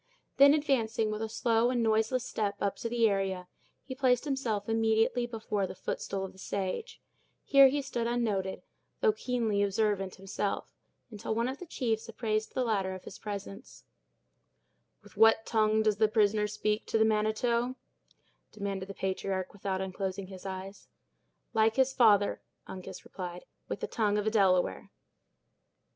Then, advancing with a slow and noiseless step up the area, he placed himself immediately before the footstool of the sage. Here he stood unnoted, though keenly observant himself, until one of the chiefs apprised the latter of his presence. "With what tongue does the prisoner speak to the Manitou?" demanded the patriarch, without unclosing his eyes. "With what tongue does the prisoner speak to the Manitou?" "Like his fathers," Uncas replied; "with the tongue of a Delaware."